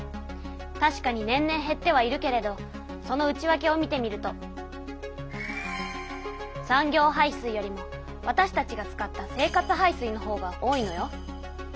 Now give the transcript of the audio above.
たしかに年々へってはいるけれどその内わけを見てみると産業排水よりもわたしたちが使った生活排水のほうが多いのよ。